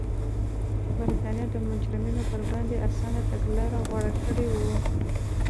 برېټانیا د مجرمینو پر وړاندې اسانه تګلاره غوره کړې وه.